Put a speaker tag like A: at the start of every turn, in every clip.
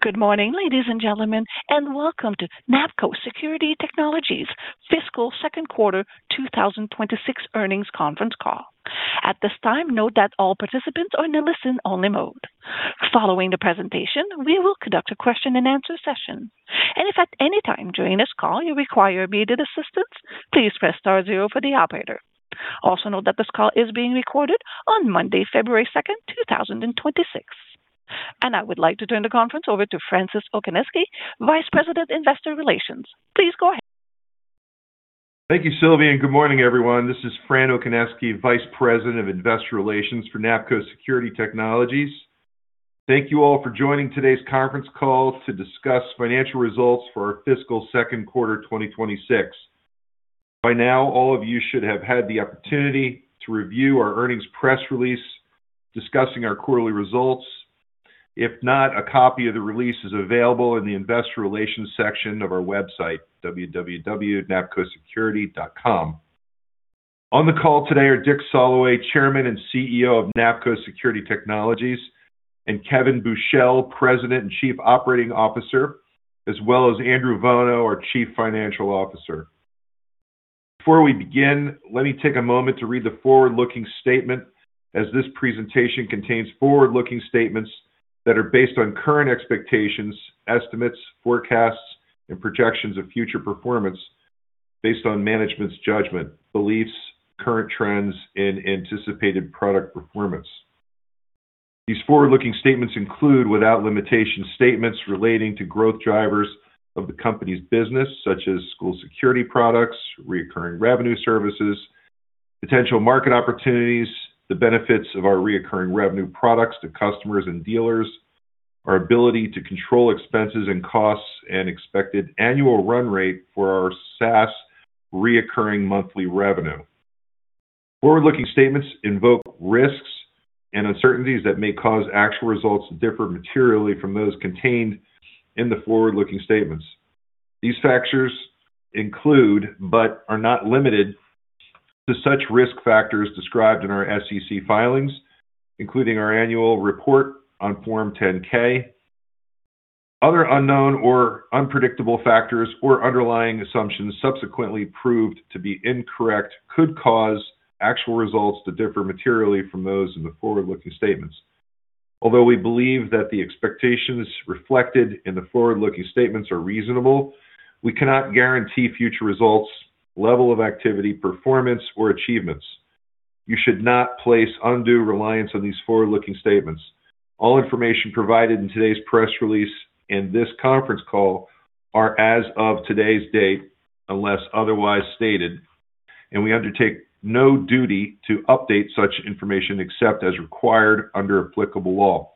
A: Good morning, ladies and gentlemen, and welcome to NAPCO Security Technologies Fiscal Second Quarter 2026 Earnings Conference Call. At this time, note that all participants are in a listen-only mode. Following the presentation, we will conduct a question-and-answer session. If at any time during this call you require immediate assistance, please press star zero for the operator. Also note that this call is being recorded on Monday, February 2nd, 2026. I would like to turn the conference over to Francis Okoniewski, Vice President of Investor Relations. Please go ahead.
B: Thank you, Sylvia, and good morning, everyone. This is Fran Okoniewski, Vice President of Investor Relations for NAPCO Security Technologies. Thank you all for joining today's conference call to discuss financial results for our fiscal second quarter 2026. By now, all of you should have had the opportunity to review our earnings press release discussing our quarterly results. If not, a copy of the release is available in the Investor Relations section of our website, www.napcosecurity.com. On the call today are Dick Soloway, Chairman and CEO of NAPCO Security Technologies, and Kevin Buchel, President and Chief Operating Officer, as well as Andrew Vuono, our Chief Financial Officer. Before we begin, let me take a moment to read the forward-looking statement, as this presentation contains forward-looking statements that are based on current expectations, estimates, forecasts, and projections of future performance based on management's judgment, beliefs, current trends, and anticipated product performance. These forward-looking statements include, without limitation, statements relating to growth drivers of the company's business, such as school security products, recurring revenue services, potential market opportunities, the benefits of our recurring revenue products to customers and dealers, our ability to control expenses and costs, and expected annual run rate for our SaaS recurring monthly revenue. Forward-looking statements involve risks and uncertainties that may cause actual results to differ materially from those contained in the forward-looking statements. These factors include, but are not limited to, such risk factors described in our SEC filings, including our annual report on Form 10-K. Other unknown or unpredictable factors or underlying assumptions subsequently proved to be incorrect could cause actual results to differ materially from those in the forward-looking statements. Although we believe that the expectations reflected in the forward-looking statements are reasonable, we cannot guarantee future results, level of activity, performance, or achievements. You should not place undue reliance on these forward-looking statements. All information provided in today's press release and this conference call are as of today's date, unless otherwise stated, and we undertake no duty to update such information except as required under applicable law.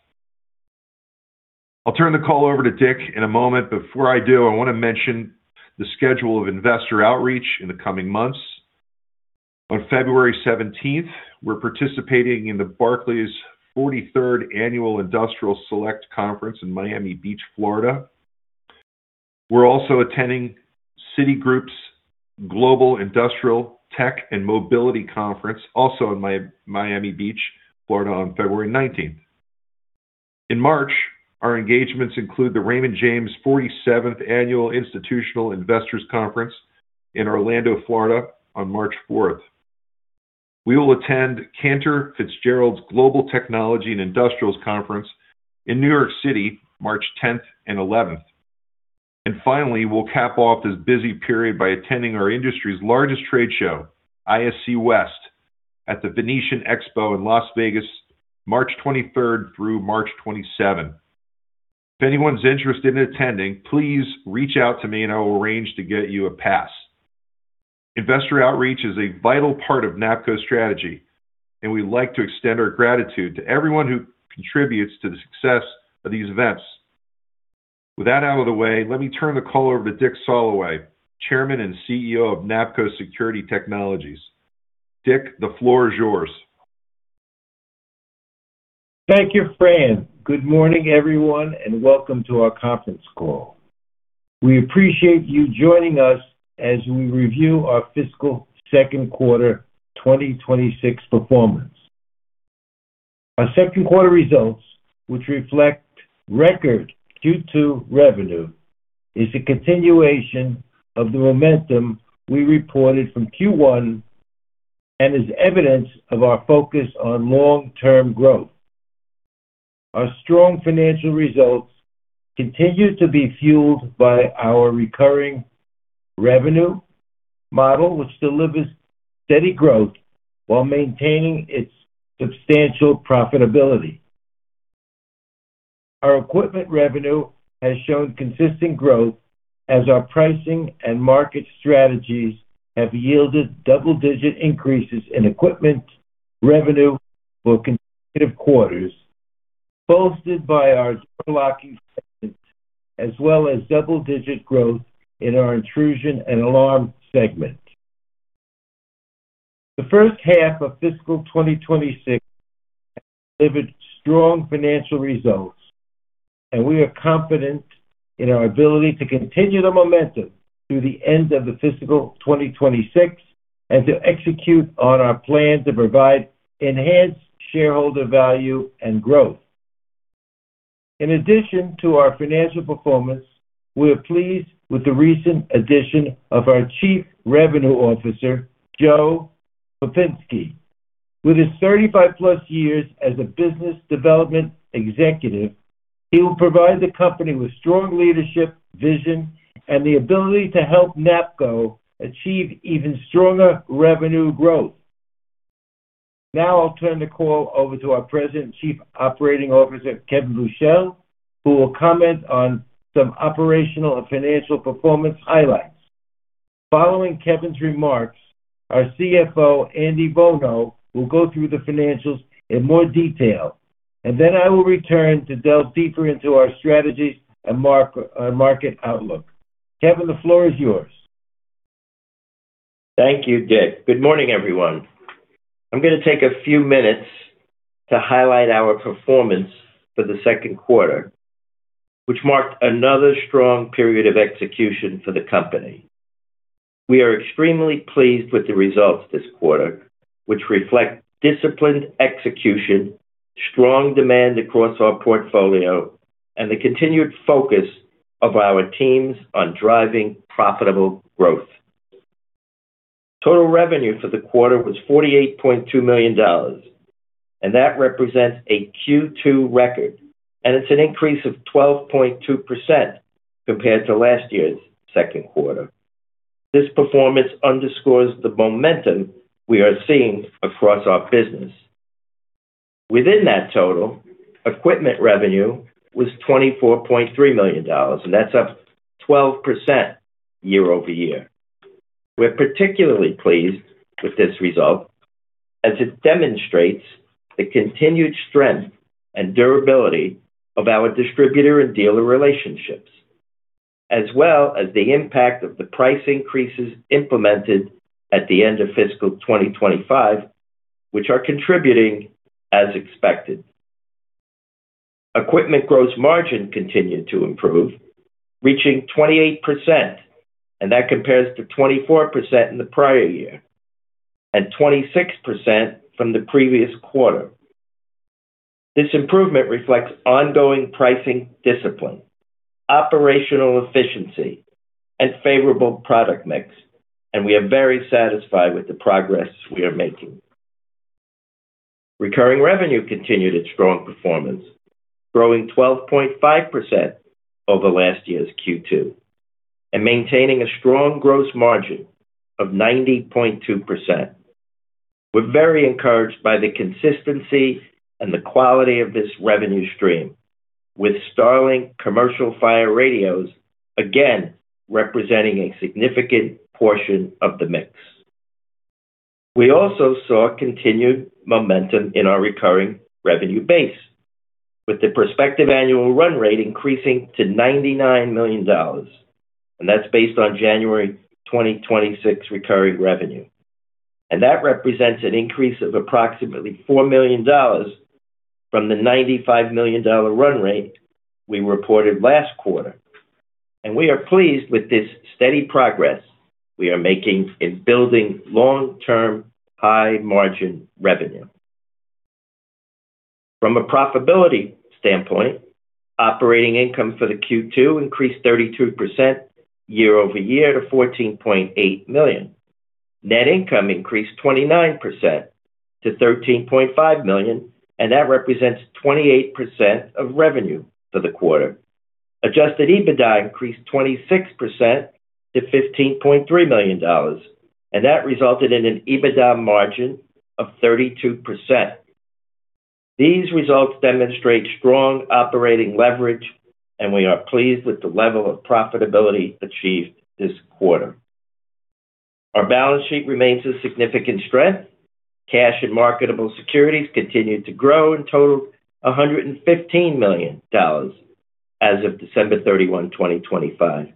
B: I'll turn the call over to Dick in a moment. Before I do, I wanna mention the schedule of investor outreach in the coming months. On February 17th, we're participating in the Barclays 43rd Annual Industrial Select Conference in Miami Beach, Florida. We're also attending Citigroup's Global Industrial, Tech and Mobility Conference, also in Miami Beach, Florida, on February 19th. In March, our engagements include the Raymond James 47th Annual Institutional Investors Conference in Orlando, Florida, on March 4th. We will attend Cantor Fitzgerald's Global Technology and Industrials Conference in New York City, March 10th and 11th. Finally, we'll cap off this busy period by attending our industry's largest trade show, ISC West, at the Venetian Expo in Las Vegas, March 23rd through March 27th. If anyone's interested in attending, please reach out to me, and I will arrange to get you a pass. Investor outreach is a vital part of NAPCO's strategy, and we'd like to extend our gratitude to everyone who contributes to the success of these events. With that out of the way, let me turn the call over to Dick Soloway, Chairman and CEO of NAPCO Security Technologies. Dick, the floor is yours.
C: Thank you, Fran. Good morning, everyone, and welcome to our conference call. We appreciate you joining us as we review our fiscal second quarter 2026 performance. Our second quarter results, which reflect record Q2 revenue, is a continuation of the momentum we reported from Q1 and is evidence of our focus on long-term growth. Our strong financial results continue to be fueled by our recurring revenue model, which delivers steady growth while maintaining its substantial profitability. Our equipment revenue has shown consistent growth as our pricing and market strategies have yielded double-digit increases in equipment revenue for consecutive quarters, bolstered by our locking segment, as well as double-digit growth in our intrusion and alarm segment. The first half of fiscal 2026 delivered strong financial results. We are confident in our ability to continue the momentum through the end of the fiscal 2026, and to execute on our plan to provide enhanced shareholder value and growth. In addition to our financial performance, we are pleased with the recent addition of our Chief Revenue Officer, Joe Paczynski. With his 35+ years as a business development executive, he will provide the company with strong leadership, vision, and the ability to help NAPCO achieve even stronger revenue growth. Now I'll turn the call over to our President and Chief Operating Officer, Kevin Buchel, who will comment on some operational and financial performance highlights. Following Kevin's remarks, our CFO, Andy Vuono, will go through the financials in more detail, and then I will return to delve deeper into our strategy and market outlook. Kevin, the floor is yours.
D: Thank you, Dick. Good morning, everyone. I'm gonna take a few minutes to highlight our performance for the second quarter, which marked another strong period of execution for the company. We are extremely pleased with the results this quarter, which reflect disciplined execution, strong demand across our portfolio, and the continued focus of our teams on driving profitable growth. Total revenue for the quarter was $48.2 million, and that represents a Q2 record, and it's an increase of 12.2% compared to last year's second quarter. This performance underscores the momentum we are seeing across our business. Within that total, equipment revenue was $24.3 million, and that's up 12% year-over-year. We're particularly pleased with this result, as it demonstrates the continued strength and durability of our distributor and dealer relationships, as well as the impact of the price increases implemented at the end of fiscal 2025, which are contributing as expected. Equipment gross margin continued to improve, reaching 28%, and that compares to 24% in the prior year, and 26% from the previous quarter. This improvement reflects ongoing pricing discipline, operational efficiency, and favorable product mix, and we are very satisfied with the progress we are making. Recurring revenue continued its strong performance, growing 12.5% over last year's Q2, and maintaining a strong gross margin of 90.2%. We're very encouraged by the consistency and the quality of this revenue stream, with StarLink Commercial Fire radios again representing a significant portion of the mix. We also saw continued momentum in our recurring revenue base, with the prospective annual run rate increasing to $99 million, and that's based on January 2026 recurring revenue. That represents an increase of approximately $4 million from the $95 million run rate we reported last quarter. We are pleased with this steady progress we are making in building long-term, high-margin revenue. From a profitability standpoint, operating income for the Q2 increased 32% year-over-year to $14.8 million. Net income increased 29% to $13.5 million, and that represents 28% of revenue for the quarter. Adjusted EBITDA increased 26% to $15.3 million, and that resulted in an EBITDA margin of 32%. These results demonstrate strong operating leverage, and we are pleased with the level of profitability achieved this quarter. Our balance sheet remains a significant strength. Cash and marketable securities continued to grow and totaled $115 million as of December 31, 2025,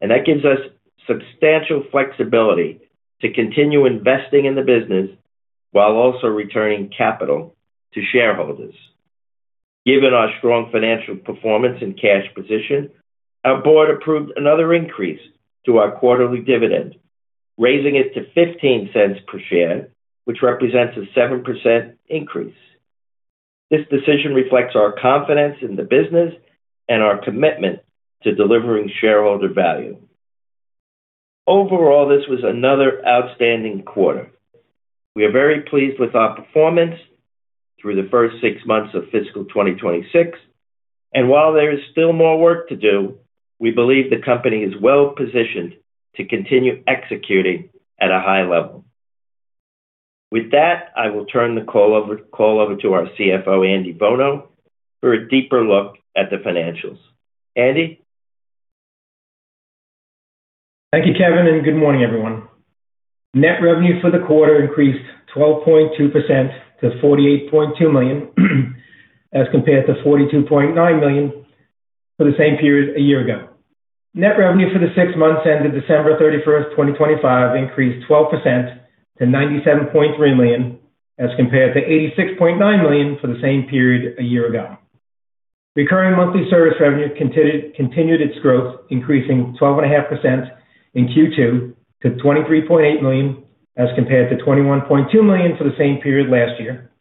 D: and that gives us substantial flexibility to continue investing in the business while also returning capital to shareholders. Given our strong financial performance and cash position, our board approved another increase to our quarterly dividend, raising it to $0.15 per share, which represents a 7% increase. This decision reflects our confidence in the business and our commitment to delivering shareholder value. Overall, this was another outstanding quarter. We are very pleased with our performance through the first six months of fiscal 2026, and while there is still more work to do, we believe the company is well-positioned to continue executing at a high level. With that, I will turn the call over to our CFO, Andy Vuono, for a deeper look at the financials. Andy?
E: Thank you, Kevin, and good morning, everyone. Net revenue for the quarter increased 12.2% to $48.2 million, as compared to $42.9 million for the same period a year ago. Net revenue for the six months ended December 31st, 2025, increased 12% to $97.3 million, as compared to $86.9 million for the same period a year ago. Recurring monthly service revenue continued its growth, increasing 12.5% in Q2 to $23.8 million, as compared to $21.2 million for the same period last year.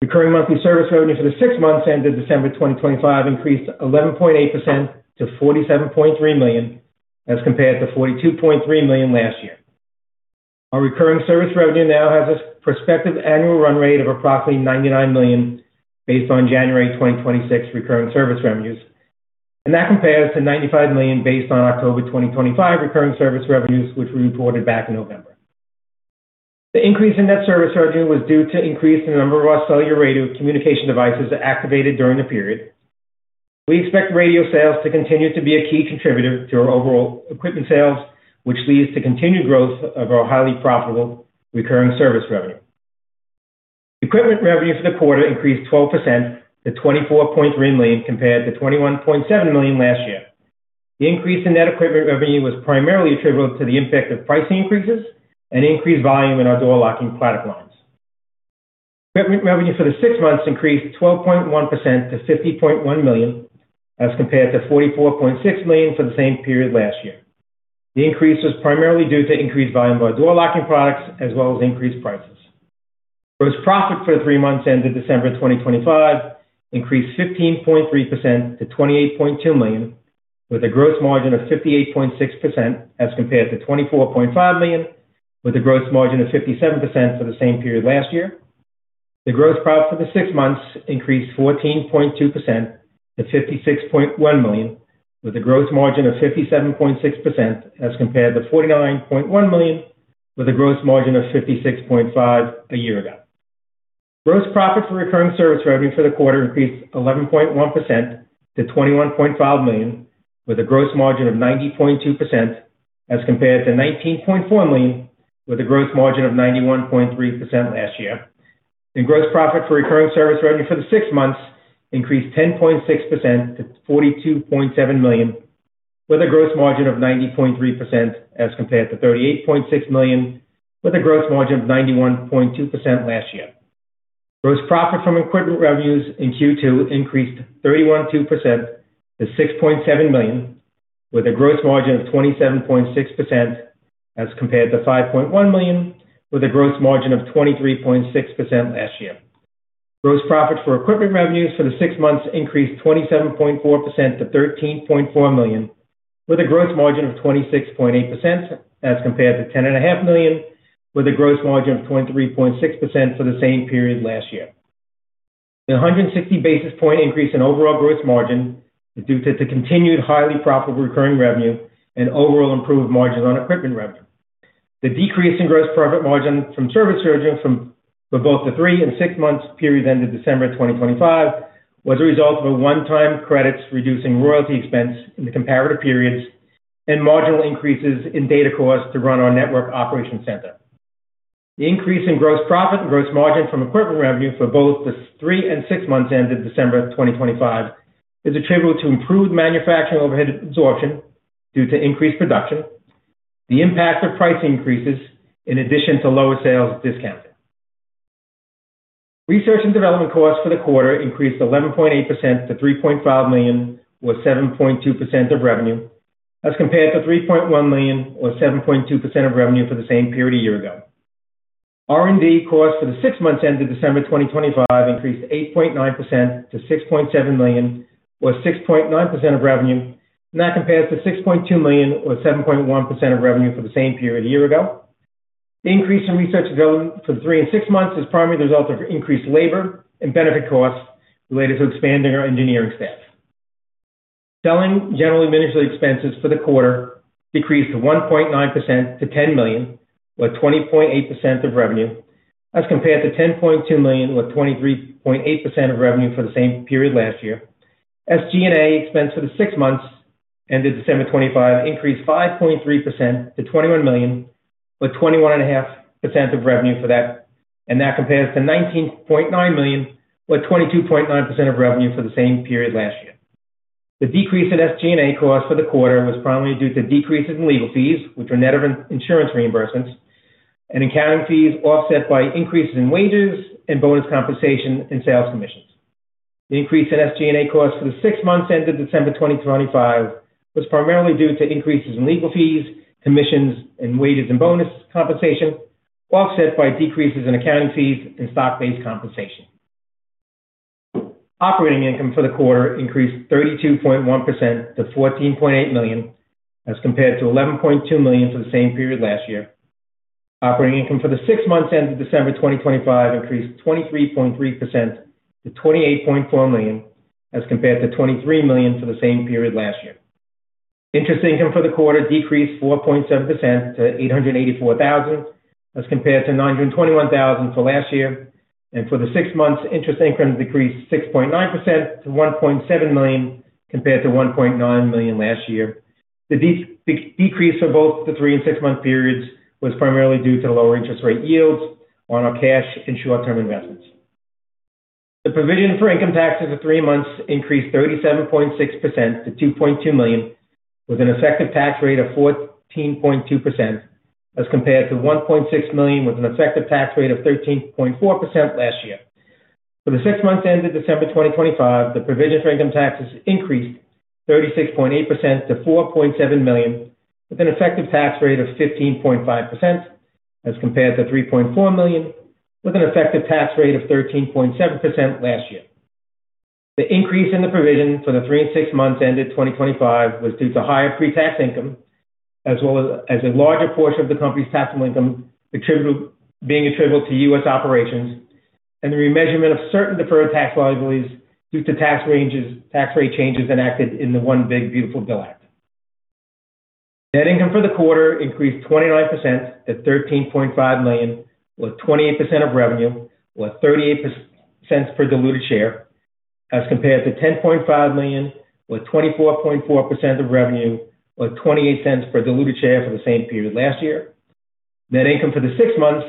E: Recurring monthly service revenue for the six months ended December 2025 increased 11.8% to $47.3 million, as compared to $42.3 million last year. Our recurring service revenue now has a prospective annual run rate of approximately $99 million, based on January 2026 recurring service revenues, and that compares to $95 million based on October 2025 recurring service revenues, which we reported back in November. The increase in net service revenue was due to increase in the number of our cellular radio communication devices activated during the period. We expect radio sales to continue to be a key contributor to our overall equipment sales, which leads to continued growth of our highly profitable recurring service revenue. Equipment revenue for the quarter increased 12% to $24.3 million, compared to $21.7 million last year. The increase in net equipment revenue was primarily attributable to the impact of pricing increases and increased volume in our door locking product lines. Equipment revenue for the six months increased 12.1% to $50.1 million, as compared to $44.6 million for the same period last year. The increase was primarily due to increased volume by door locking products, as well as increased prices. Gross profit for the three months ended December 2025 increased 15.3% to $28.2 million, with a gross margin of 58.6%, as compared to $24.5 million, with a gross margin of 57% for the same period last year. The gross profit for the six months increased 14.2% to $56.1 million, with a gross margin of 57.6%, as compared to $49.1 million, with a gross margin of 56.5% a year ago. Gross profit for recurring service revenue for the quarter increased 11.1% to $21.5 million, with a gross margin of 90.2%, as compared to $19.4 million, with a gross margin of 91.3% last year. The gross profit for recurring service revenue for the six months increased 10.6% to $42.7 million, with a gross margin of 90.3%, as compared to $38.6 million, with a gross margin of 91.2% last year. Gross profit from equipment revenues in Q2 increased 31.2% to $6.7 million, with a gross margin of 27.6%, as compared to $5.1 million, with a gross margin of 23.6% last year. Gross profit for equipment revenues for the six months increased 27.4% to $13.4 million, with a gross margin of 26.8%, as compared to $10.5 million, with a gross margin of 23.6% for the same period last year. The 160 basis point increase in overall gross margin is due to the continued highly profitable recurring revenue and overall improved margin on equipment revenue. The decrease in gross profit margin from service revenue for both the three and six months period ended December 2025, was a result of a one-time credits, reducing royalty expense in the comparative periods and marginal increases in data costs to run our network operations center. The increase in gross profit and gross margin from equipment revenue for both the three and six months ended December 2025, is attributable to improved manufacturing overhead absorption due to increased production, the impact of price increases in addition to lower sales discounting. Research and development costs for the quarter increased 11.8% to $3.5 million, or 7.2% of revenue, as compared to $3.1 million, or 7.2% of revenue for the same period a year ago. R&D costs for the six months ended December 2025 increased 8.9% to $6.7 million, or 6.9% of revenue, and that compares to $6.2 million, or 7.1% of revenue for the same period a year ago. The increase in research and development for the three and six months is primarily the result of increased labor and benefit costs related to expanding our engineering staff. Selling general administrative expenses for the quarter decreased 1.9% to $10 million, or 20.8% of revenue, as compared to $10.2 million, or 23.8% of revenue for the same period last year. SG&A expense for the six months ended December 2025 increased 5.3% to $21 million, or 21.5% of revenue for that, and that compares to $19.9 million, or 22.9% of revenue for the same period last year. The decrease in SG&A costs for the quarter was primarily due to decreases in legal fees, which were net of insurance reimbursements and accounting fees, offset by increases in wages and bonus compensation and sales commissions. The increase in SG&A costs for the six months ended December 2025 was primarily due to increases in legal fees, commissions, and wages and bonus compensation, offset by decreases in accounting fees and stock-based compensation. Operating income for the quarter increased 32.1% to $14.8 million, as compared to $11.2 million for the same period last year. Operating income for the six months ended December 2025 increased 23.3% to $28.4 million, as compared to $23 million for the same period last year. Interest income for the quarter decreased 4.7% to $884,000, as compared to $921,000 for last year. For the six months, interest income decreased 6.9% to $1.7 million, compared to $1.9 million last year. The decrease for both the three and six-month periods was primarily due to lower interest rate yields on our cash and short-term investments. The provision for income taxes of three months increased 37.6% to $2.2 million, with an effective tax rate of 14.2%, as compared to $1.6 million, with an effective tax rate of 13.4% last year. For the six months ended December 2025, the provision for income taxes increased 36.8% to $4.7 million, with an effective tax rate of 15.5%, as compared to $3.4 million, with an effective tax rate of 13.7% last year. The increase in the provision for the three and six months ended 2025 was due to higher pre-tax income, as well as a larger portion of the company's taxable income, being attributable to U.S. operations, and the remeasurement of certain deferred tax liabilities due to tax ranges, tax rate changes enacted in the One Big Beautiful Bill Act. Net income for the quarter increased 29% to $13.5 million, or 28% of revenue, or $0.38 per diluted share, as compared to $10.5 million, or 24.4% of revenue, or $0.28 per diluted share for the same period last year. Net income for the six months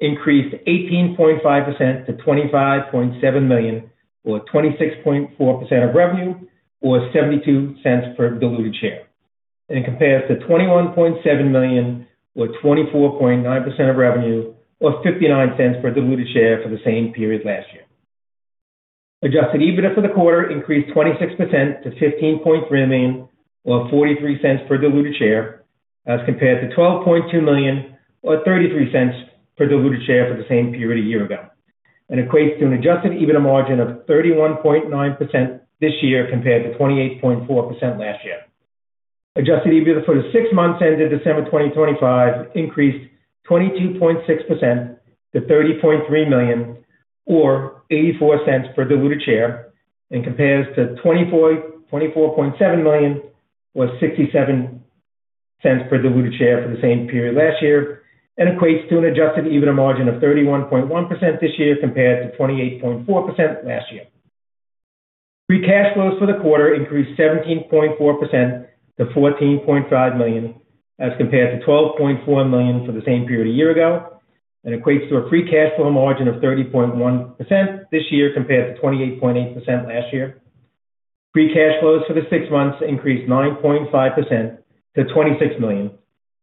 E: increased 18.5% to $25.7 million, or 26.4% of revenue, or $0.72 per diluted share, and compares to $21.7 million, or 24.9% of revenue, or $0.59 per diluted share for the same period last year. Adjusted EBITDA for the quarter increased 26% to $15.3 million, or $0.43 per diluted share, as compared to $12.2 million or $0.33 per diluted share for the same period a year ago, and equates to an adjusted EBITDA margin of 31.9% this year, compared to 28.4% last year. Adjusted EBITDA for the six months ended December 2025 increased 22.6% to $30.3 million, or $0.84 per diluted share, and compares to $24.7 million, or $0.67 per diluted share for the same period last year, and equates to an adjusted EBITDA margin of 31.1% this year, compared to 28.4% last year. Free cash flows for the quarter increased 17.4% to $14.5 million, as compared to $12.4 million for the same period a year ago, and equates to a free cash flow margin of 30.1% this year, compared to 28.8% last year. Free cash flows for the six months increased 9.5% to $26 million,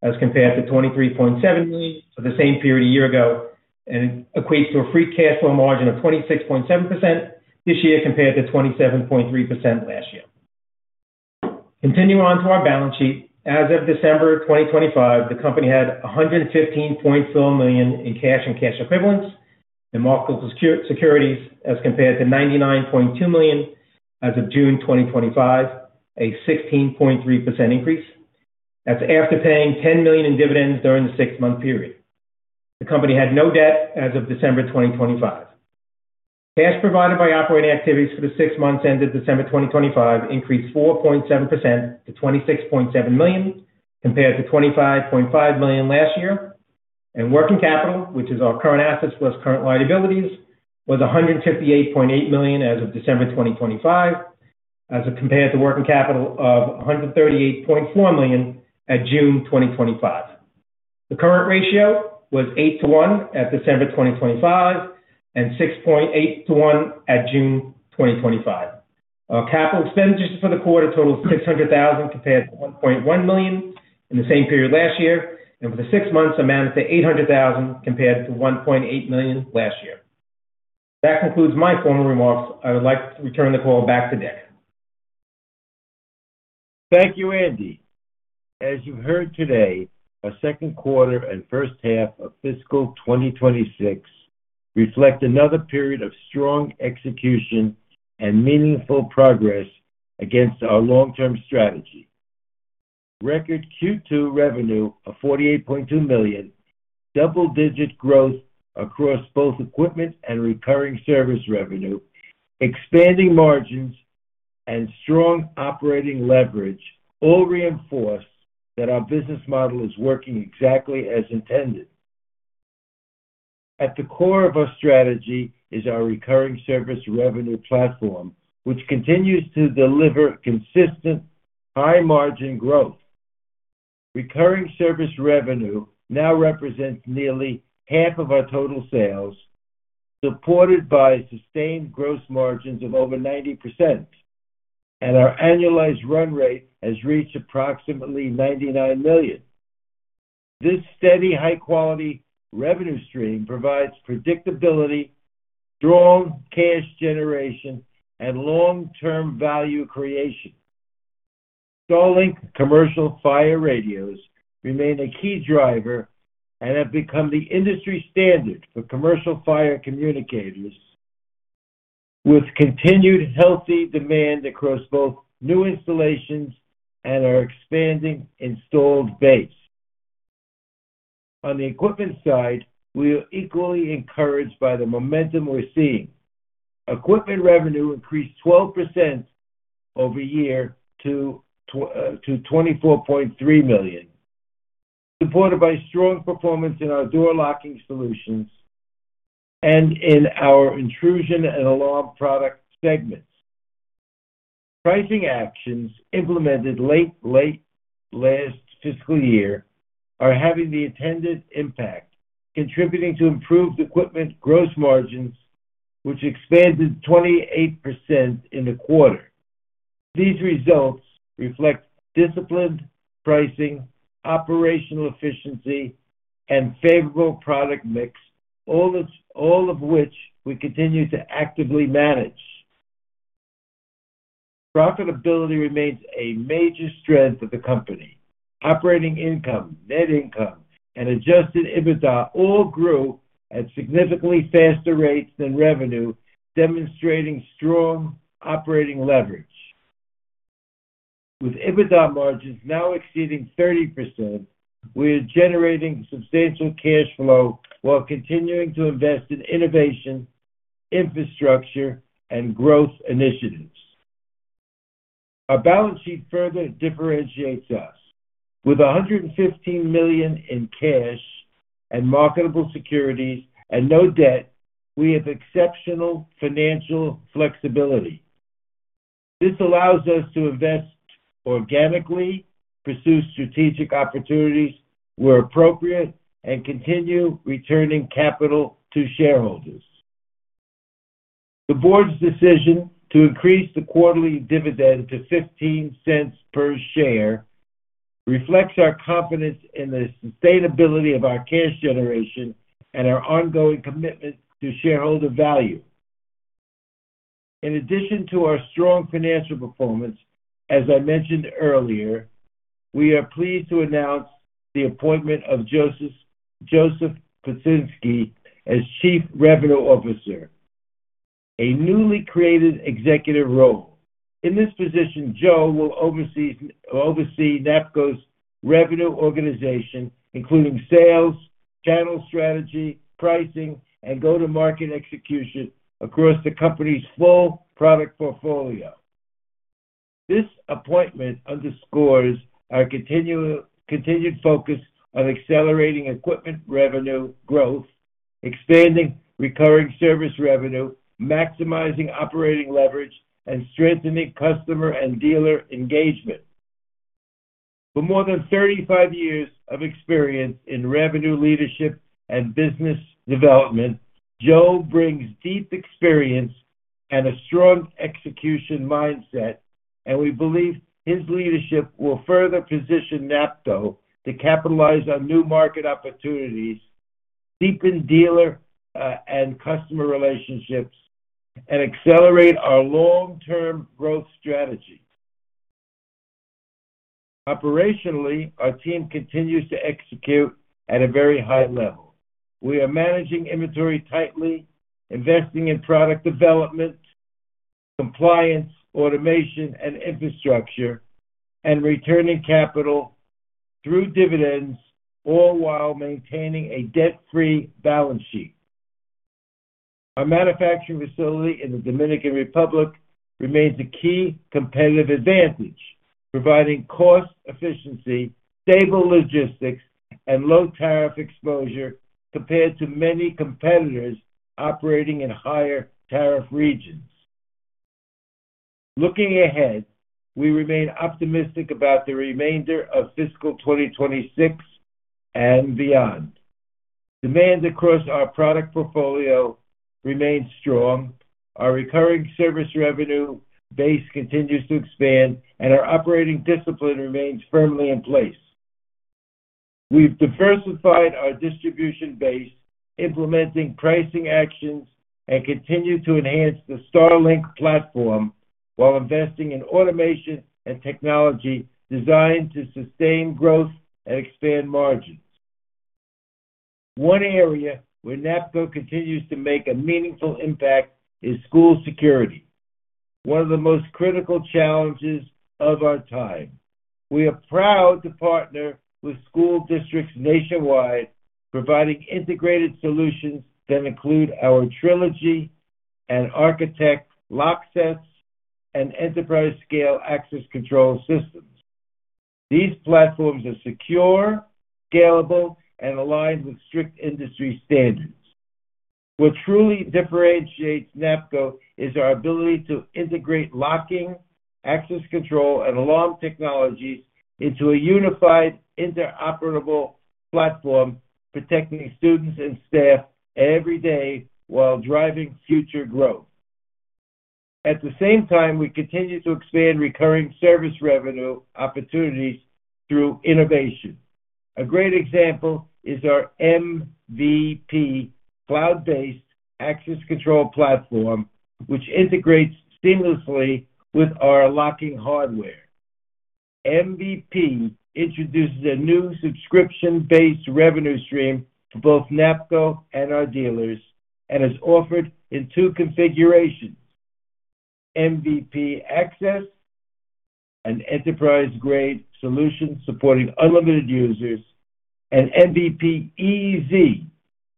E: as compared to $23.7 million for the same period a year ago, and equates to a free cash flow margin of 26.7% this year, compared to 27.3% last year. Continuing on to our balance sheet, as of December 2025, the company had $115.4 million in cash and cash equivalents and marketable securities, as compared to $99.2 million as of June 2025, a 16.3% increase. That's after paying $10 million in dividends during the six-month period. The company had no debt as of December 2025. Cash provided by operating activities for the six months ended December 2025 increased 4.7% to $26.7 million, compared to $25.5 million last year. Working capital, which is our current assets plus current liabilities, was $158.8 million as of December 2025, as compared to working capital of $138.4 million at June 2025. The current ratio was 8:1 at December 2025 and 6.8:1 at June 2025. Our capital expenditures for the quarter totaled $600,000, compared to $1.1 million in the same period last year, and for the six months, amounted to $800,000, compared to $1.8 million last year. That concludes my formal remarks. I would like to return the call back to Dick.
C: Thank you, Andy. As you've heard today, our second quarter and first half of fiscal 2026 reflect another period of strong execution and meaningful progress against our long-term strategy. Record Q2 revenue of $48.2 million, double-digit growth across both equipment and recurring service revenue, expanding margins, and strong operating leverage, all reinforce that our business model is working exactly as intended. At the core of our strategy is our recurring service revenue platform, which continues to deliver consistent high-margin growth. Recurring service revenue now represents nearly half of our total sales, supported by sustained gross margins of over 90%, and our annualized run rate has reached approximately $99 million. This steady, high-quality revenue stream provides predictability, strong cash generation, and long-term value creation. StarLink Commercial Fire radios remain a key driver and have become the industry standard for commercial fire communicators, with continued healthy demand across both new installations and our expanding installed base. On the equipment side, we are equally encouraged by the momentum we're seeing. Equipment revenue increased 12% year-over-year to $24.3 million, supported by strong performance in our door locking solutions and in our intrusion and alarm product segments. Pricing actions implemented late last fiscal year are having the intended impact, contributing to improved equipment gross margins, which expanded 28% in the quarter. These results reflect disciplined pricing, operational efficiency, and favorable product mix, all of which we continue to actively manage. Profitability remains a major strength of the company. Operating income, net income, and Adjusted EBITDA all grew at significantly faster rates than revenue, demonstrating strong operating leverage. With EBITDA margins now exceeding 30%, we are generating substantial cash flow while continuing to invest in innovation, infrastructure, and growth initiatives. Our balance sheet further differentiates us. With $115 million in cash and marketable securities and no debt, we have exceptional financial flexibility. This allows us to invest organically, pursue strategic opportunities where appropriate, and continue returning capital to shareholders. The board's decision to increase the quarterly dividend to $0.15 per share reflects our confidence in the sustainability of our cash generation and our ongoing commitment to shareholder value. In addition to our strong financial performance, as I mentioned earlier, we are pleased to announce the appointment of Joseph Paczynski as Chief Revenue Officer, a newly created executive role. In this position, Joe will oversee NAPCO's revenue organization, including sales, channel strategy, pricing, and go-to-market execution across the company's full product portfolio. This appointment underscores our continued focus on accelerating equipment revenue growth, expanding recurring service revenue, maximizing operating leverage, and strengthening customer and dealer engagement. With more than 35 years of experience in revenue leadership and business development, Joe brings deep experience and a strong execution mindset, and we believe his leadership will further position NAPCO to capitalize on new market opportunities, deepen dealer, and customer relationships, and accelerate our long-term growth strategy. Operationally, our team continues to execute at a very high level. We are managing inventory tightly, investing in product development, compliance, automation, and infrastructure, and returning capital through dividends, all while maintaining a debt-free balance sheet. Our manufacturing facility in the Dominican Republic remains a key competitive advantage, providing cost efficiency, stable logistics, and low tariff exposure compared to many competitors operating in higher tariff regions. Looking ahead, we remain optimistic about the remainder of fiscal 2026 and beyond. Demand across our product portfolio remains strong, our recurring service revenue base continues to expand, and our operating discipline remains firmly in place. We've diversified our distribution base, implementing pricing actions, and continue to enhance the StarLink platform while investing in automation and technology designed to sustain growth and expand margins. One area where NAPCO continues to make a meaningful impact is school security, one of the most critical challenges of our time. We are proud to partner with school districts nationwide, providing integrated solutions that include our Trilogy and ArchiTech lock sets and enterprise-scale access control systems. These platforms are secure, scalable, and aligned with strict industry standards. What truly differentiates NAPCO is our ability to integrate locking, access control, and alarm technologies into a unified, interoperable platform, protecting students and staff every day while driving future growth. At the same time, we continue to expand recurring service revenue opportunities through innovation. A great example is our MVP cloud-based access control platform, which integrates seamlessly with our locking hardware. MVP introduces a new subscription-based revenue stream for both NAPCO and our dealers and is offered in two configurations: MVP Access, an enterprise-grade solution supporting unlimited users, and MVP EZ,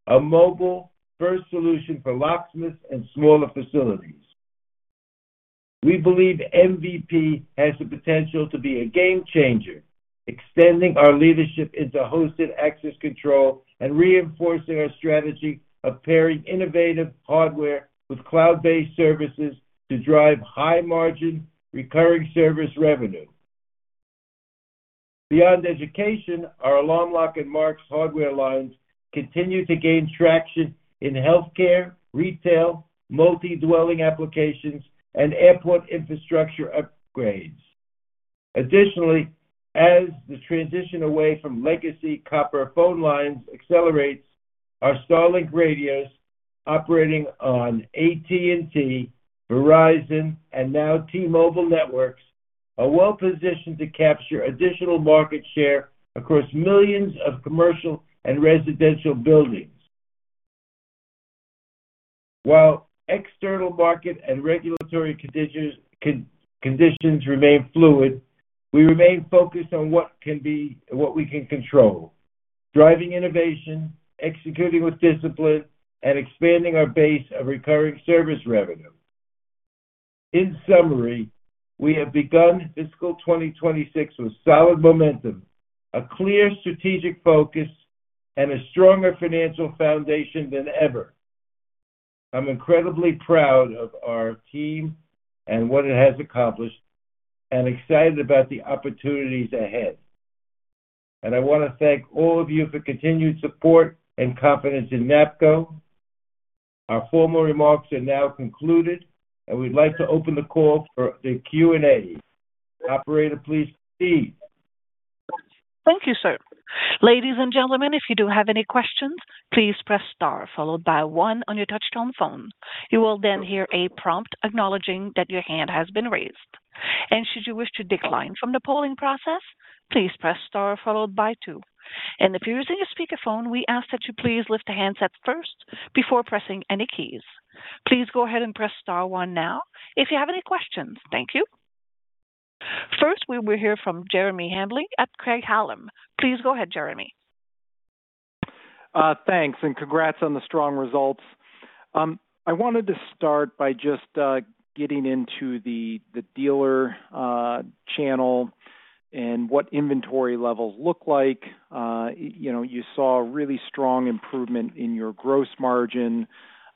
C: a mobile-first solution for locksmiths and smaller facilities. We believe MVP has the potential to be a game changer. Extending our leadership into hosted access control and reinforcing our strategy of pairing innovative hardware with cloud-based services to drive high margin recurring service revenue. Beyond education, our Alarm Lock and Marks hardware lines continue to gain traction in healthcare, retail, multi-dwelling applications, and airport infrastructure upgrades. Additionally, as the transition away from legacy copper phone lines accelerates, our StarLink radios, operating on AT&T, Verizon, and now T-Mobile networks, are well-positioned to capture additional market share across millions of commercial and residential buildings. While external market and regulatory conditions remain fluid, we remain focused on what we can control: driving innovation, executing with discipline, and expanding our base of recurring service revenue. In summary, we have begun fiscal 2026 with solid momentum, a clear strategic focus, and a stronger financial foundation than ever. I'm incredibly proud of our team and what it has accomplished, and excited about the opportunities ahead. I want to thank all of you for continued support and confidence in NAPCO. Our formal remarks are now concluded, and we'd like to open the call for the Q&A. Operator, please proceed.
A: Thank you, sir. Ladies and gentlemen, if you do have any questions, please press star followed by one on your touchtone phone. You will then hear a prompt acknowledging that your hand has been raised. Should you wish to decline from the polling process, please press star followed by two. If you're using a speakerphone, we ask that you please lift the handset first before pressing any keys. Please go ahead and press star one now if you have any questions. Thank you. First, we will hear from Jeremy Hamblin at Craig-Hallum. Please go ahead, Jeremy.
F: Thanks, and congrats on the strong results. I wanted to start by just getting into the dealer channel and what inventory levels look like. You know, you saw a really strong improvement in your gross margin,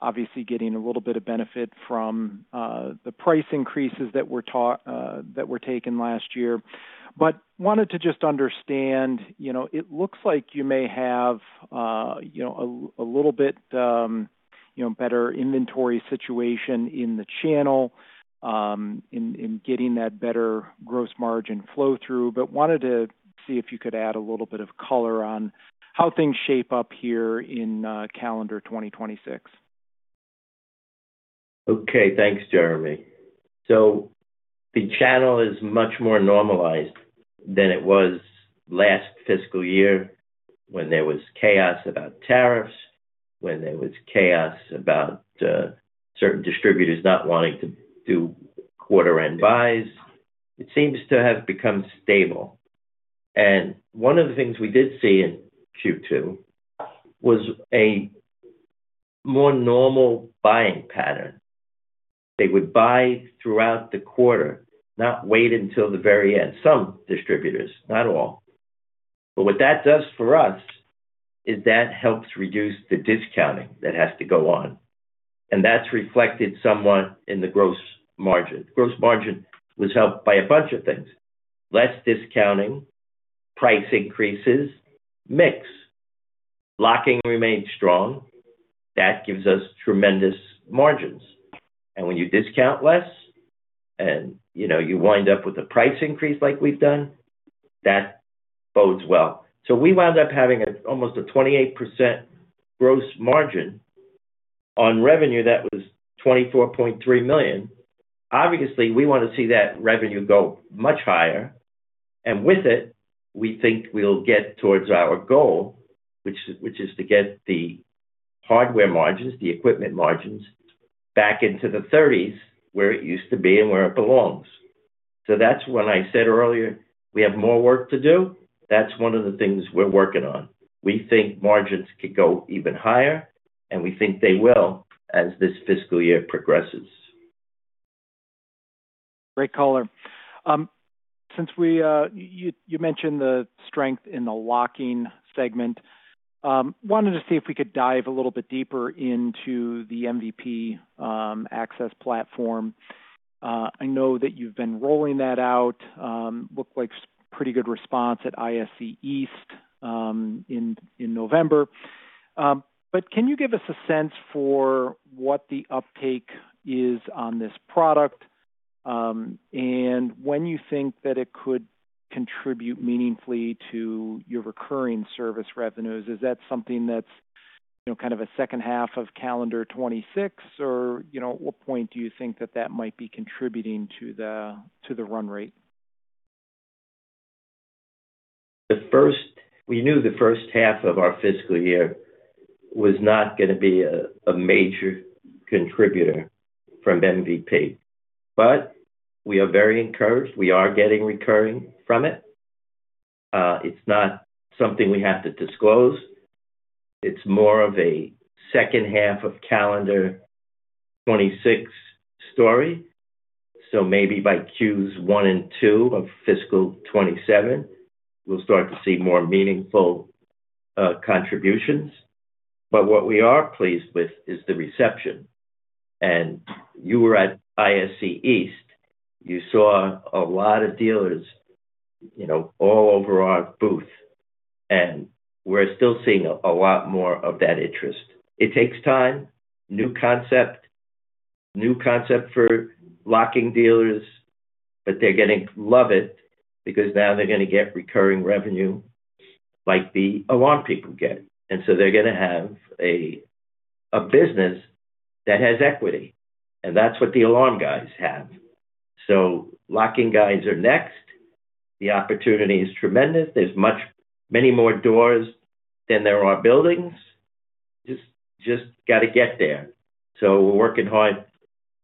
F: obviously getting a little bit of benefit from the price increases that were taken last year. But wanted to just understand, you know, it looks like you may have, you know, a little bit, you know, better inventory situation in the channel, in getting that better gross margin flow-through. But wanted to see if you could add a little bit of color on how things shape up here in calendar 2026.
D: Okay, thanks, Jeremy. So the channel is much more normalized than it was last fiscal year when there was chaos about tariffs, when there was chaos about certain distributors not wanting to do quarter-end buys. It seems to have become stable, and one of the things we did see in Q2 was a more normal buying pattern. They would buy throughout the quarter, not wait until the very end. Some distributors, not all. But what that does for us is that helps reduce the discounting that has to go on, and that's reflected somewhat in the gross margin. Gross margin was helped by a bunch of things: less discounting, price increases, mix. Locking remained strong. That gives us tremendous margins. And when you discount less and, you know, you wind up with a price increase like we've done, that bodes well. So we wound up having almost a 28% gross margin on revenue that was $24.3 million. Obviously, we want to see that revenue go much higher, and with it, we think we'll get towards our goal, which is to get the hardware margins, the equipment margins, back into the 30s%, where it used to be and where it belongs. So that's when I said earlier, we have more work to do. That's one of the things we're working on. We think margins could go even higher, and we think they will as this fiscal year progresses.
F: Great color. Since you mentioned the strength in the locking segment, wanted to see if we could dive a little bit deeper into the MVP Access platform. I know that you've been rolling that out. Looked like pretty good response at ISC East in November. But can you give us a sense for what the uptake is on this product, and when you think that it could contribute meaningfully to your recurring service revenues? Is that something that's, you know, kind of a second half of calendar 2026, or, you know, at what point do you think that that might be contributing to the run rate?
D: We knew the first half of our fiscal year was not gonna be a major contributor from MVP, but we are very encouraged. We are getting recurring from it. It's not something we have to disclose. It's more of a second half of calendar 2026 story. So maybe by Q1 and Q2 of fiscal 2027, we'll start to see more meaningful contributions. But what we are pleased with is the reception. And you were at ISC East. You saw a lot of dealers, you know, all over our booth, and we're still seeing a lot more of that interest. It takes time, new concept, new concept for locking dealers, but they're gonna love it because now they're gonna get recurring revenue like the alarm people get. And so they're gonna have a business that has equity, and that's what the alarm guys have. So locking guys are next. The opportunity is tremendous. There's many more doors than there are buildings. Just gotta get there. So we're working hard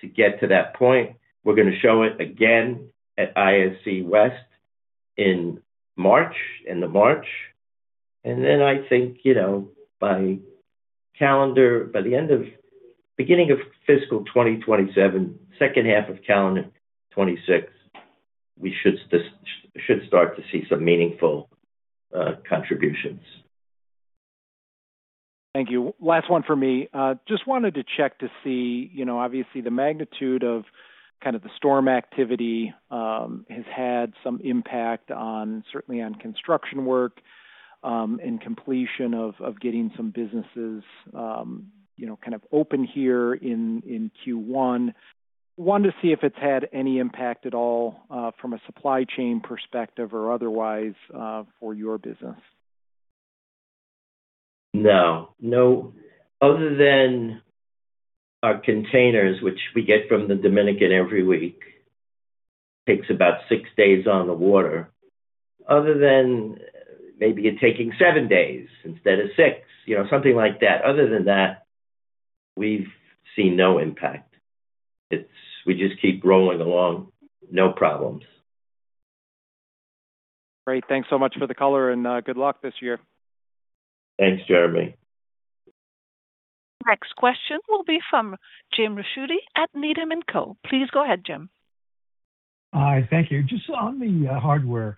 D: to get to that point. We're gonna show it again at ISC West in March, end of March, and then I think, you know, by calendar, by the end of beginning of fiscal 2027, second half of calendar 2026, we should just start to see some meaningful contributions.
F: Thank you. Last one for me. Just wanted to check to see, you know, obviously the magnitude of kind of the storm activity, has had some impact on, certainly on construction work, and completion of getting some businesses, you know, kind of open here in Q1. Wanted to see if it's had any impact at all, from a supply chain perspective or otherwise, for your business.
D: No. No, other than our containers, which we get from the Dominican every week, takes about six days on the water. Other than maybe it taking seven days instead of six, you know, something like that. Other than that, we've seen no impact. It's-- We just keep rolling along, no problems.
F: Great. Thanks so much for the color, and good luck this year.
D: Thanks, Jeremy.
A: Next question will be from Jim Ricchiuti at Needham & Co. Please go ahead, Jim.
G: Hi, thank you. Just on the hardware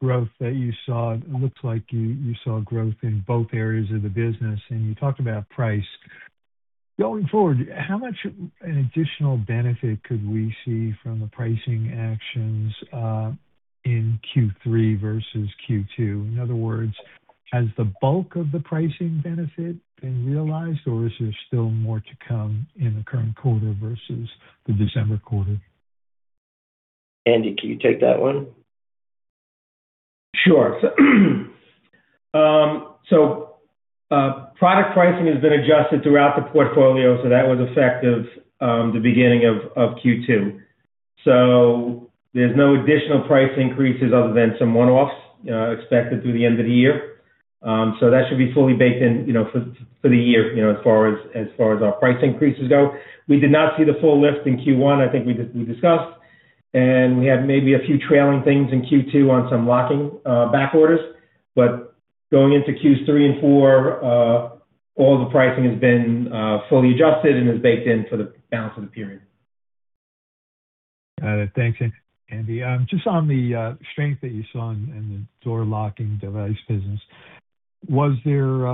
G: growth that you saw, it looks like you saw growth in both areas of the business, and you talked about price. Going forward, how much additional benefit could we see from the pricing actions in Q3 versus Q2? In other words, has the bulk of the pricing benefit been realized, or is there still more to come in the current quarter versus the December quarter?
D: Andy, can you take that one?
E: Sure. So, product pricing has been adjusted throughout the portfolio, so that was effective the beginning of Q2. So there's no additional price increases other than some one-offs expected through the end of the year. So that should be fully baked in, you know, for the year, you know, as far as our price increases go. We did not see the full lift in Q1, I think we discussed, and we had maybe a few trailing things in Q2 on some locking back orders. But going into Q3 and Q4, all the pricing has been fully adjusted and is baked in for the balance of the period.
G: Thanks, Andy. Just on the strength that you saw in the door locking device business, was there--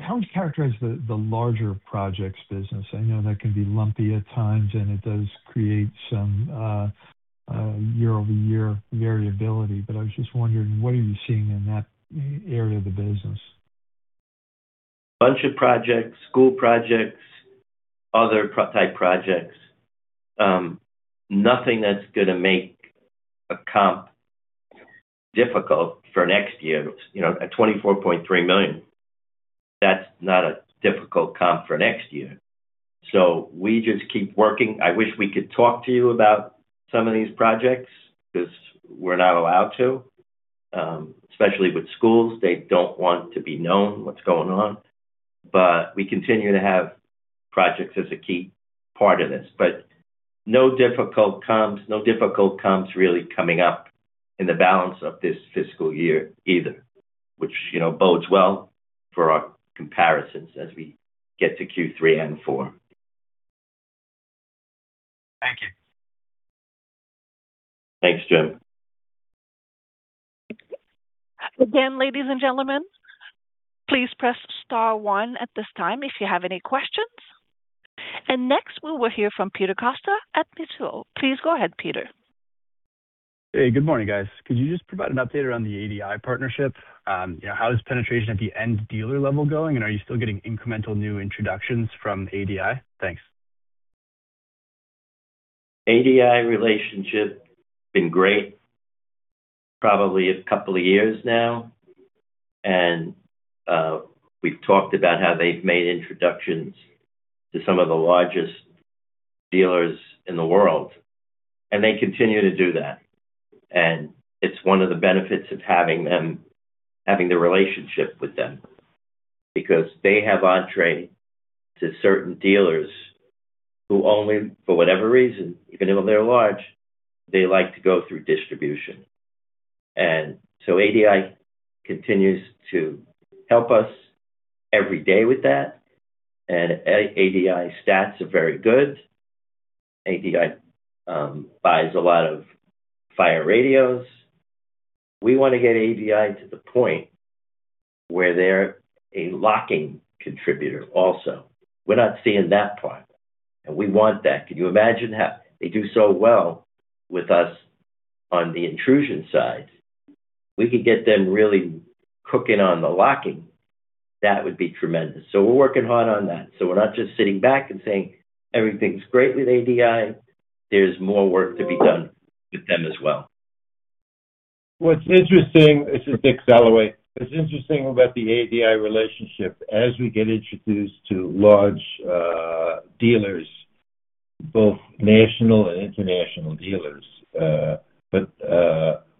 G: How would you characterize the larger projects business? I know that can be lumpy at times, and it does create some year-over-year variability, but I was just wondering, what are you seeing in that area of the business?
D: Bunch of projects, school projects, other prototype projects. Nothing that's gonna make a comp difficult for next year. You know, at $24.3 million, that's not a difficult comp for next year. So we just keep working. I wish we could talk to you about some of these projects, 'cause we're not allowed to. Especially with schools, they don't want to be known what's going on. But we continue to have projects as a key part of this. But no difficult comps, no difficult comps really coming up in the balance of this fiscal year either, which, you know, bodes well for our comparisons as we get to Q3 and Q4.
G: Thank you.
D: Thanks, Jim.
A: Again, ladies and gentlemen, please press star one at this time if you have any questions. Next, we will hear from Peter Costa at Mizuho. Please go ahead, Peter.
H: Hey, good morning, guys. Could you just provide an update around the ADI partnership? You know, how is penetration at the end dealer level going, and are you still getting incremental new introductions from ADI? Thanks.
D: ADI relationship been great, probably a couple of years now, and we've talked about how they've made introductions to some of the largest dealers in the world, and they continue to do that. And it's one of the benefits of having them, having the relationship with them, because they have entree to certain dealers who only, for whatever reason, even though they're large, they like to go through distribution. And so ADI continues to help us every day with that, and ADI stats are very good. ADI buys a lot of fire radios. We want to get ADI to the point where they're a locking contributor also. We're not seeing that part, and we want that. Can you imagine how they do so well with us on the intrusion side? We could get them really cooking on the locking. That would be tremendous. We're working hard on that. We're not just sitting back and saying, "Everything's great with ADI." There's more work to be done with them as well.
C: What's interesting, this is Dick Soloway. What's interesting about the ADI relationship, as we get introduced to large dealers, both national and international dealers, but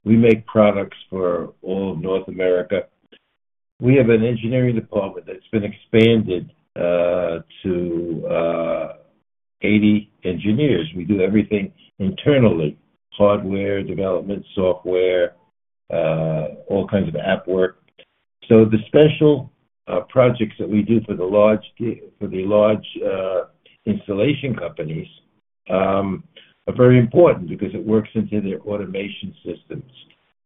C: we make products for all of North America. We have an engineering department that's been expanded to 80 engineers. We do everything internally, hardware, development, software, all kinds of app work. So the special projects that we do for the large installation companies are very important because it works into their automation systems,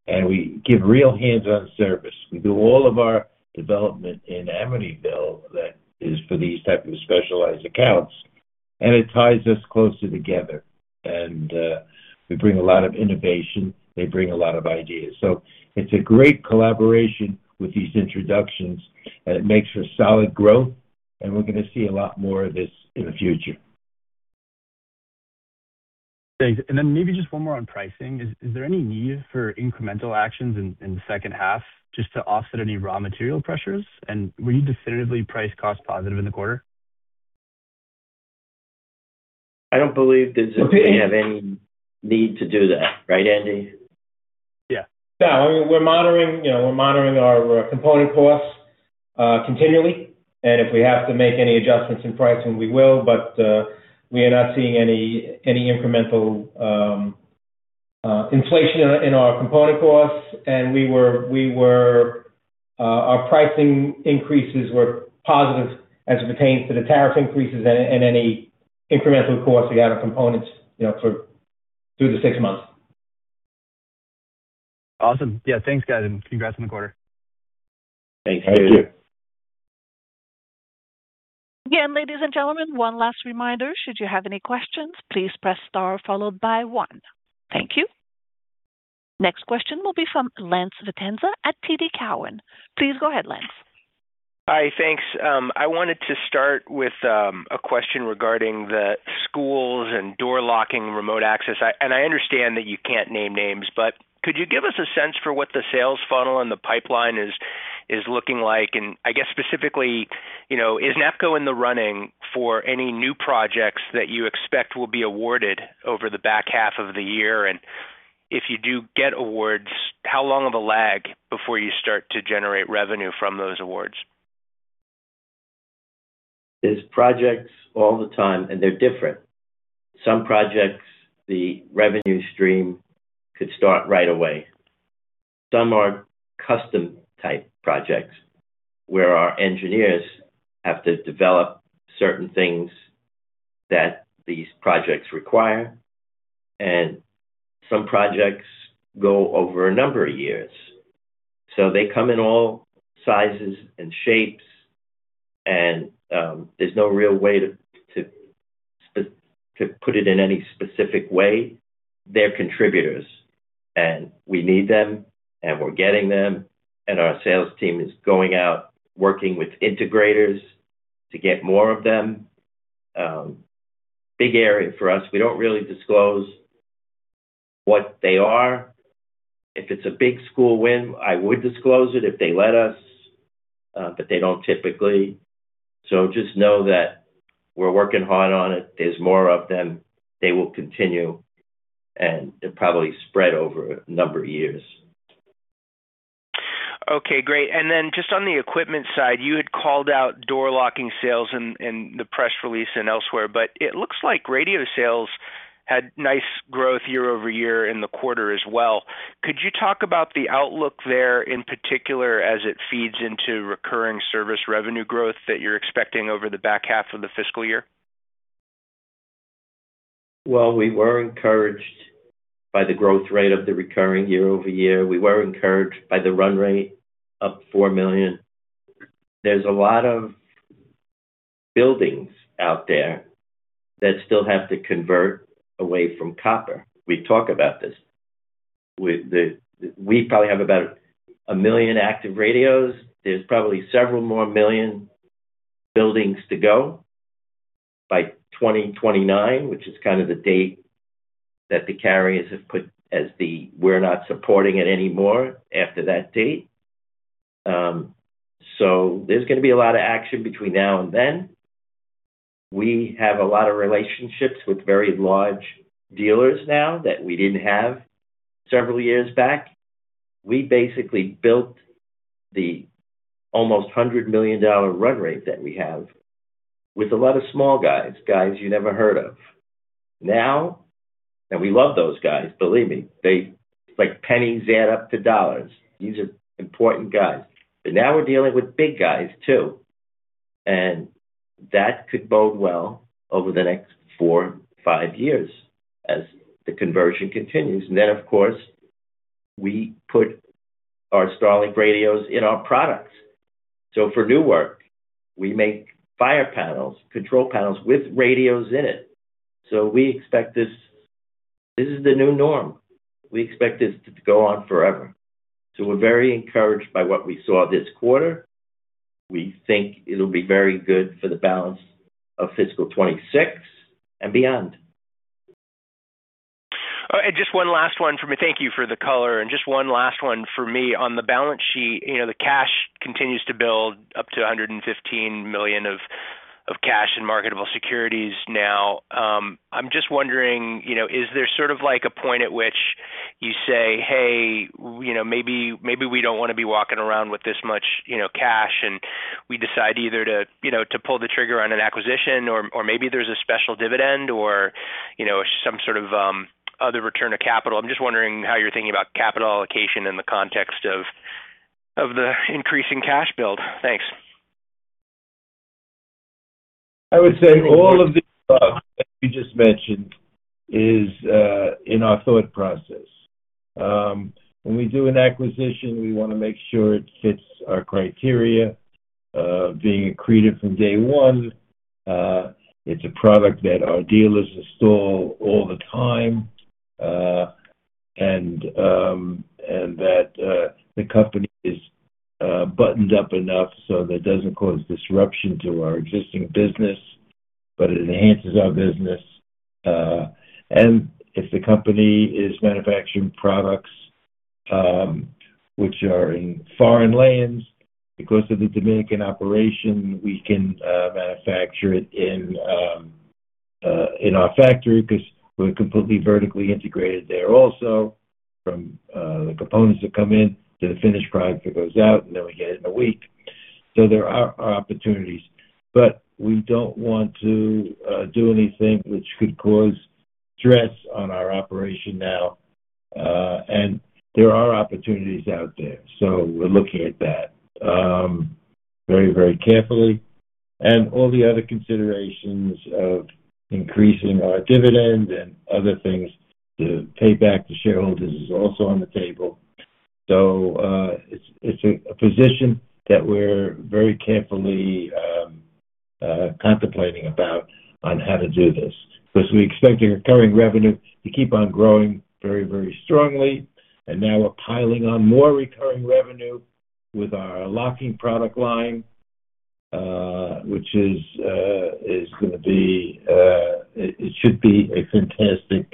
C: and we give real hands-on service. We do all of our development in Amityville. That is for these type of specialized accounts, and it ties us closer together. And we bring a lot of innovation. They bring a lot of ideas. It's a great collaboration with these introductions, and it makes for solid growth, and we're going to see a lot more of this in the future.
H: Thanks. And then maybe just one more on pricing. Is there any need for incremental actions in the second half just to offset any raw material pressures? And were you definitively price cost positive in the quarter?
D: I don't believe that they have any need to do that, right, Andy?
E: Yeah. Yeah, I mean, we're monitoring, you know, we're monitoring our component costs continually, and if we have to make any adjustments in pricing, we will. But we are not seeing any incremental inflation in our component costs. And our pricing increases were positive as it pertains to the tariff increases and any incremental costs. We had our components, you know, for through the six months.
H: Awesome. Yeah, thanks, guys, and congrats on the quarter.
D: Thanks.
C: Thank you.
A: Again, ladies and gentlemen, one last reminder, should you have any questions, please press star followed by one. Thank you. Next question will be from Lance Vitanza at TD Cowen. Please go ahead, Lance.
I: Hi. Thanks. I wanted to start with a question regarding the schools and door locking and remote access. I understand that you can't name names, but could you give us a sense for what the sales funnel and the pipeline is looking like? And I guess specifically, you know, is NAPCO in the running for any new projects that you expect will be awarded over the back half of the year? And if you do get awards, how long of a lag before you start to generate revenue from those awards?
D: There's projects all the time, and they're different. Some projects, the revenue stream could start right away. Some are custom-type projects, where our engineers have to develop certain things that these projects require, and some projects go over a number of years. So they come in all sizes and shapes, and there's no real way to put it in any specific way. They're contributors, and we need them, and we're getting them, and our sales team is going out, working with integrators to get more of them. Big area for us. We don't really disclose what they are. If it's a big school win, I would disclose it if they let us, but they don't typically. So just know that we're working hard on it. There's more of them. They will continue, and they're probably spread over a number of years.
I: Okay, great. And then just on the equipment side, you had called out door locking sales in the press release and elsewhere, but it looks like radio sales had nice growth year-over-year in the quarter as well. Could you talk about the outlook there, in particular, as it feeds into recurring service revenue growth that you're expecting over the back half of the fiscal year?
D: Well, we were encouraged by the growth rate of the recurring year-over-year. We were encouraged by the run rate of $4 million. There's a lot of buildings out there that still have to convert away from copper. We talk about this. We probably have about 1 million active radios. There's probably several more million buildings to go by 2029, which is kind of the date that the carriers have put as the, "We're not supporting it anymore after that date." So there's going to be a lot of action between now and then. We have a lot of relationships with very large dealers now that we didn't have several years back. We basically built the almost $100 million run rate that we have with a lot of small guys, guys you never heard of. Now, and we love those guys, believe me, they, like, pennies add up to dollars. These are important guys. But now we're dealing with big guys, too, and that could bode well over the next four, five years as the conversion continues. And then, of course, we put our StarLink radios in our products. So for new work, we make fire panels, control panels with radios in it. So we expect this, this is the new norm. We expect this to go on forever. So we're very encouraged by what we saw this quarter. We think it'll be very good for the balance of fiscal 2026 and beyond.
I: Just one last one for me. Thank you for the color, and just one last one for me. On the balance sheet, you know, the cash continues to build up to $115 million of cash and marketable securities now. I'm just wondering, you know, is there sort of like a point at which you say, "Hey, you know, maybe, maybe we don't want to be walking around with this much, you know, cash," and we decide either to, you know, to pull the trigger on an acquisition, or, or maybe there's a special dividend or, you know, some sort of other return of capital? I'm just wondering how you're thinking about capital allocation in the context of the increasing cash build. Thanks.
C: I would say all of the stuff that you just mentioned is in our thought process. When we do an acquisition, we want to make sure it fits our criteria, of being accretive from day one. It's a product that our dealers install all the time, and that the company is buttoned up enough so that it doesn't cause disruption to our existing business, but it enhances our business. And if the company is manufacturing products, which are in foreign lands, because of the Dominican operation, we can manufacture it in our factory, 'cause we're completely vertically integrated there also, from the components that come in to the finished product that goes out, and then we get it in a week. So there are opportunities, but we don't want to do anything which could cause stress on our operation now. And there are opportunities out there, so we're looking at that very, very carefully. And all the other considerations of increasing our dividend and other things to pay back the shareholders is also on the table. So, it's a position that we're very carefully contemplating about on how to do this, because we expect the recurring revenue to keep on growing very, very strongly, and now we're piling on more recurring revenue with our locking product line, which is going to be a fantastic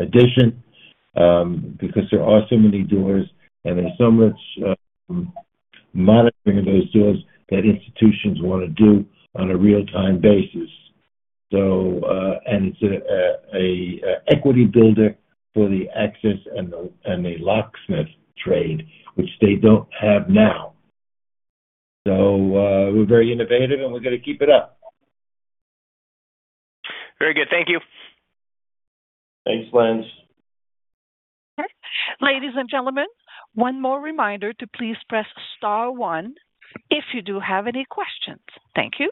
C: addition, because there are so many doors and there's so much monitoring of those doors that institutions want to do on a real-time basis. So, and it's a equity builder for the access and the locksmith trade, which they don't have now. So, we're very innovative, and we're going to keep it up.
I: Very good. Thank you.
C: Thanks, Lance.
A: Ladies and gentlemen, one more reminder to please press star one if you do have any questions. Thank you.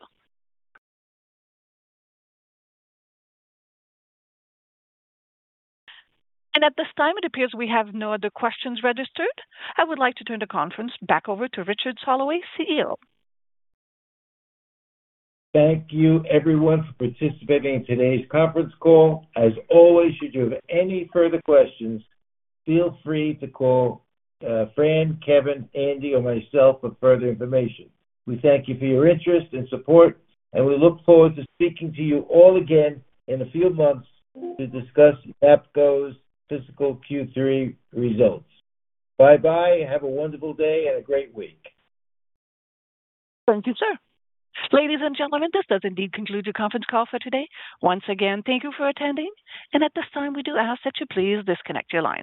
A: And at this time, it appears we have no other questions registered. I would like to turn the conference back over to Richard Soloway, CEO.
C: Thank you, everyone, for participating in today's conference call. As always, should you have any further questions, feel free to call Fran, Kevin, Andy, or myself for further information. We thank you for your interest and support, and we look forward to speaking to you all again in a few months to discuss NAPCO's fiscal Q3 results. Bye-bye, have a wonderful day and a great week.
A: Thank you, sir. Ladies and gentlemen, this does indeed conclude the conference call for today. Once again, thank you for attending, and at this time, we do ask that you please disconnect your lines.